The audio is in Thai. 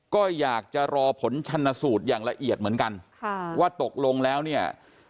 ก็อยากจะรอผลชนสูตรอย่างละเอียดเหมือนกันค่ะว่าตกลงแล้วเนี่ย